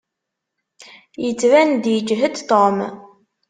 Yettban-d yeǧhed Tom.